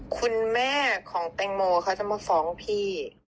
คุณแม่ของแตงโมเขาจะมาฟ้องพี่